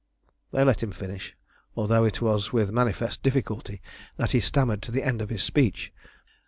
They let him finish, although it was with manifest difficulty that he stammered to the end of his speech.